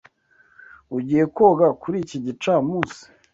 Ugiye koga kuri iki gicamunsi?